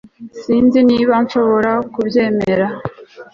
sinzi niba nshobora kubyemera